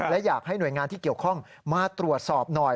และอยากให้หน่วยงานที่เกี่ยวข้องมาตรวจสอบหน่อย